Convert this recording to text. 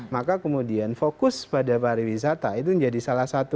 maka kemudian fokus pada pariwisata itu menjadi salah satu